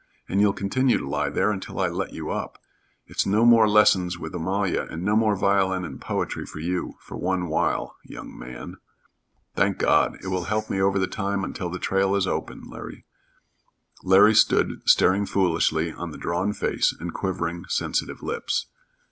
And you'll continue to lie there until I let you up. It's no more lessons with Amalia and no more violin and poetry for you, for one while, young man." "Thank God. It will help me over the time until the trail is open." Larry stood staring foolishly on the drawn face and quivering, sensitive lips.